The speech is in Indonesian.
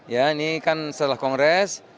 ya ini kan setelah kongres